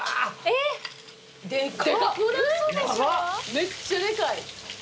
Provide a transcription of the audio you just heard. めっちゃでかい。